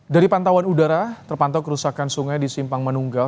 dari pantauan udara terpantau kerusakan sungai di simpang menunggal